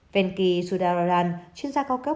venky sudararan chuyên gia cao cấp